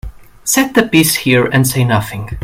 Set the piece here and say nothing.